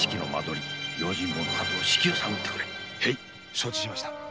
承知しました。